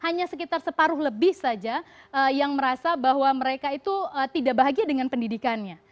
hanya sekitar separuh lebih saja yang merasa bahwa mereka itu tidak bahagia dengan pendidikannya